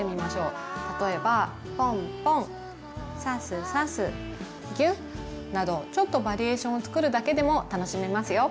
例えばぽんぽんさすさすぎゅっなどちょっとバリエーションをつくるだけでも楽しめますよ。